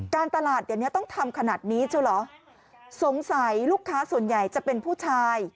การตลาดเดี๋ยวเนี้ยต้องทำขนาดนี้เช่าเหรอสงสัยลูกค้าส่วนใหญ่จะเป็นผู้ชาย